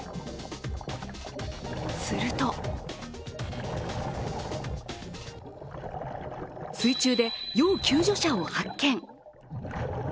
すると水中で、要救助者を発見。